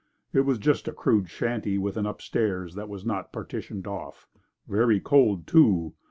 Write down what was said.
It was just a crude shanty with an upstairs that was not partitioned off. Very cold too.